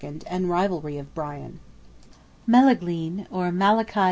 AND RIVALRY OF BRIAN. Melaghlin, or Malachy II.